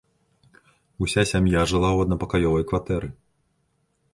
Уся сям'я жыла ў аднапакаёвай кватэры.